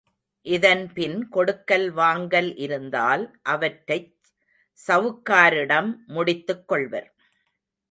இதன் பின் கொடுக்கல் வாங்கல் இருந்தால் அவற்றைச் சவுக்காரிடம் முடித்துக்கொள்வர்.